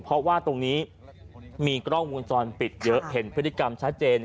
เพราะว่าตรงนี้มีกล้องวงจรปิดเยอะเห็นพฤติกรรมชัดเจน